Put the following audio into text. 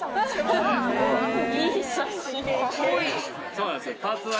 そうなんですよ。